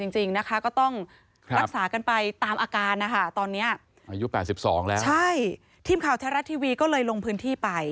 ใช่ทีมข่าวเทศรัตน์ทีวีก็เลยลงพื้นที่ไป